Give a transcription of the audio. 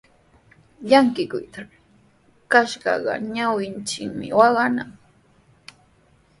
Llakikuytraw kashqaqa ñawinchikmi waqanan.